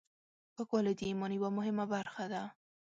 پاکوالی د ایمان یوه مهمه برخه ده.